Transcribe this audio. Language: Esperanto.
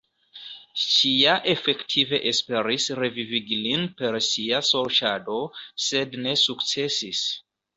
Ŝi ja efektive esperis revivigi lin per sia sorĉado, sed ne sukcesis.